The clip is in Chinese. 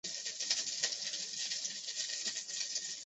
这个音标系统是由提比哩亚的马所拉学士发展成的。